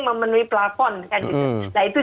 memenuhi plafon nah itu